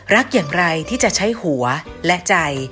รักอย่างไรที่จะใช้หัวและใจ